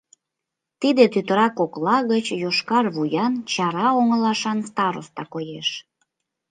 Тиде тӱтыра кокла гыч йошкар вуян, чара оҥылашан староста коеш.